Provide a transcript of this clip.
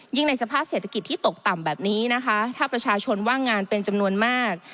ในสภาพเศรษฐกิจที่ตกต่ำแบบนี้นะคะถ้าประชาชนว่างงานเป็นจำนวนมาก